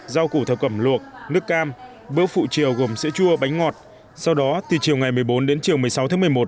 rau củ thảo luộc nước cam bước phụ chiều gồm sữa chua bánh ngọt sau đó từ chiều ngày một mươi bốn đến chiều một mươi sáu tháng một mươi một